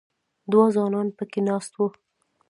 دوه ځوانان په کې ناست وو.